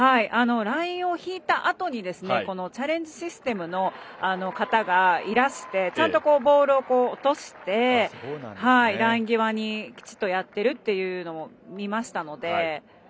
ラインを引いたあとにチャレンジシステムの方がいらしてちゃんとボールを落としてライン際にきちっとやってるっていうのを見ましたので。